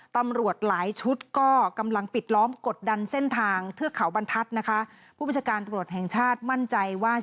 ตำรวจหลายชุดก็กำลังปิดล้อมกดดันเส้นทางทือกเขาบรรทัศจ์นะคะ